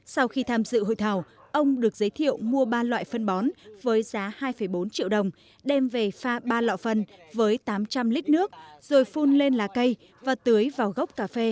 sau khi tham dự hội thảo ông được giới thiệu mua ba loại phân bón với giá hai bốn triệu đồng đem về pha ba lọ phân với tám trăm linh lít nước rồi phun lên lá cây và tưới vào gốc cà phê